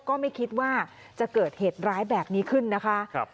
ก็ไม่คิดว่าจะเกิดเหตุร้ายแบบนี้ขึ้นนะคะ